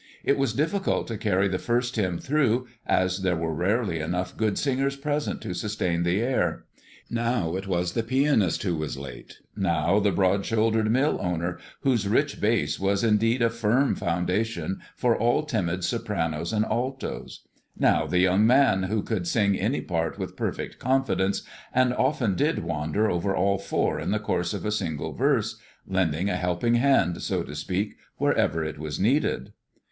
It was difficult to carry the first hymn through, as there were rarely enough good singers present to sustain the air. Now it was the pianist who was late, now the broad shouldered mill owner, whose rich bass was indeed a "firm foundation" for all timid sopranos and altos; now the young man who could sing any part with perfect confidence, and often did wander over all four in the course of a single verse, lending a helping hand, so to speak, wherever it was needed.